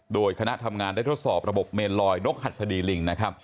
โดยคณะทำงานได้ทดสอบระบบเมนลอยนกหัดสดีลิง